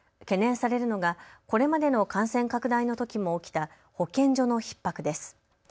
懸念されるのが、これまでの感染拡大のときも起きた保健所のひっ迫です。